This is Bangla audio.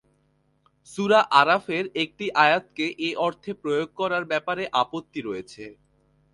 সূরা আরাফের একটি আয়াতকে এ অর্থে প্রয়োগ করার ব্যাপারে আপত্তি রয়েছে।